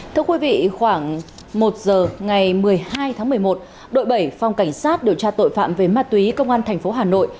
thưa quý vị khoảng một giờ ngày một mươi hai tháng một mươi một đội bảy phòng cảnh sát điều tra tội phạm về ma túy công an tp hà nội